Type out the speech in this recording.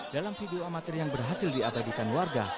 dalam video amatir yang berhasil diabadikan warga